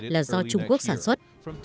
là do trung quốc sản xuất